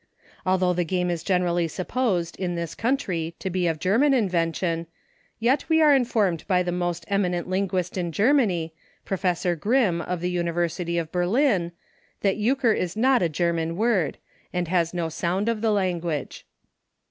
Although the game is generally sup posed, in this country, to be of German in vention, yet we are informed by the most PRELIMINARY. 27 eminent linguist in Germany, Professor Grimm, of the University of Berlin, that Euchre is not a German word, and has no sound of the language.